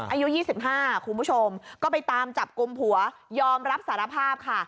อายุ๒๕คุณผู้ชมก็ไปตามจับกลุ่มผัวยอมรับสารภาพค่ะ